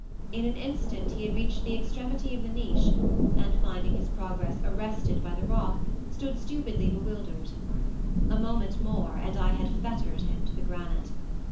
In an instant he had reached the extremity of the niche, and finding his progress arrested by the rock, stood stupidly bewildered. A moment more and I had fettered him to the granite.